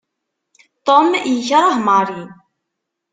Tom yekreh Mary.